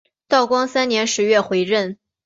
道光三年十月回任。